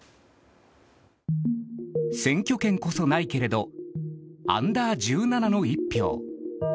選挙権こそないけれどＵ‐１７の一票。